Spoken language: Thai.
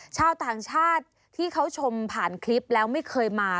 ชาวต่างชาติที่เขาชมผ่านคลิปแล้วไม่เคยมา